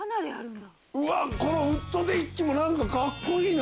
うわこのウッドデッキも何かカッコいいな。